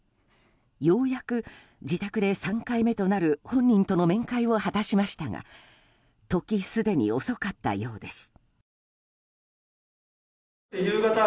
ようやく自宅で３回目となる本人との面会を果たしましたが時すでに遅かったようです。